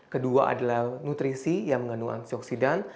kedua adalah nutrisi yang mengandung antioksidan